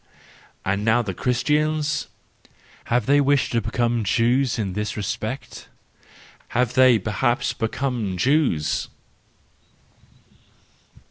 —And now the Christians ? Have they wished to become Jews in this respect? Have they perhaps become Jews